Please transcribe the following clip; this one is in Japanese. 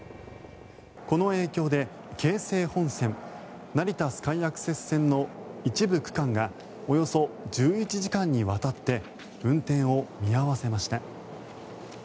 この影響で京成本線成田スカイアクセス線の一部区間がおよそ１１時間にわたって運転を見合わせました。